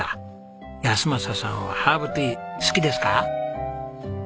安正さんはハーブティー好きですか？